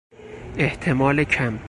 احتمال کم